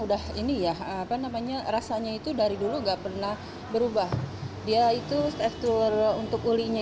udah ini ya apa namanya rasanya itu dari dulu enggak pernah berubah dia itu tekstur untuk ulinya